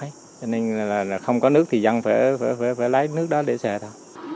cho nên là không có nước thì dân phải lấy nước đó để sợ